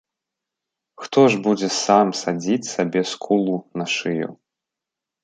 Хто ж будзе сам садзіць сабе скулу на шыю?